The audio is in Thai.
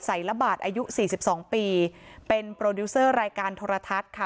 ละบาทอายุสี่สิบสองปีเป็นโปรดิวเซอร์รายการโทรทัศน์ค่ะ